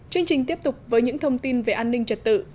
chương trình tiếp tục với những thông tin về an ninh trật tự